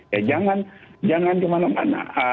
ya jangan kemana mana